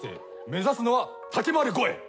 目指すのは竹丸超え。